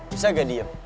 bisa gak diep